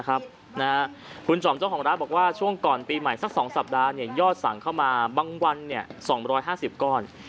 คุณจอมเจ้าของร้านบอกว่าช่วงก่อนปีใหม่สัก๒สัปดาห์ยอดสั่งเข้ามาบางวัน๒๕๐ก้อน